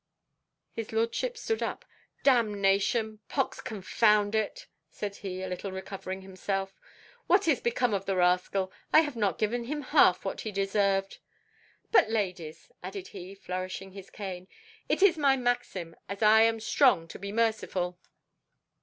His lordship stood up. "Damnation, pox confound it!" said he, a little recovering himself, "what is become of the rascal? I have not given him half what he deserved. But, ladies," added he flourishing his cane, "it is my maxim, as I am strong to be merciful."